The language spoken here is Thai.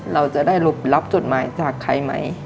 เราจะได้รับจดหมายจากใครไหม